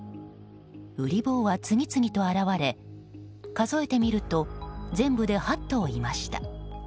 ウリ坊は次々と現れ数えてみると全部で８頭いました。